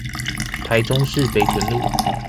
台中市北屯路